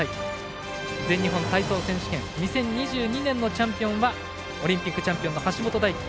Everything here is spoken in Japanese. ２０２２年のチャンピオンはオリンピックチャンピオンの橋本大輝。